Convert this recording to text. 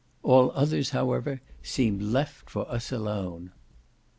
All others, however, seemed left for us alone.